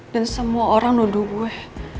dan semua orang nuduh gue